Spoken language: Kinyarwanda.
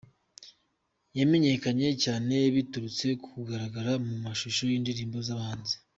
Yamenyekanye cyane biturutse ku kugaragara mu mashusho y’indirimbo z’abahanzi.